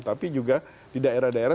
tapi juga di daerah daerah